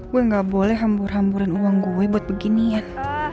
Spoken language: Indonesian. gue gak boleh hambur hamburan uang gue buat beginian